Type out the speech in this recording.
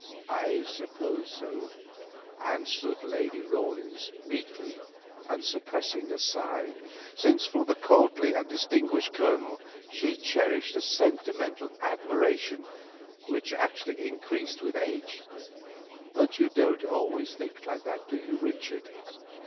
"I suppose so," answered Lady Rawlins, meekly, and suppressing a sigh, since for the courtly and distinguished Colonel she cherished a sentimental admiration which actually increased with age; "but you didn't always think like that, Richard."